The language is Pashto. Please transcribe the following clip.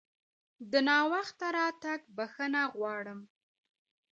د ناوخته راتګ بښنه غواړم!